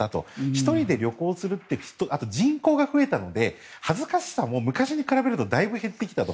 １人で旅行するあとは人口が増えたので恥ずかしさも昔に比べるとだいぶ減ってきたと。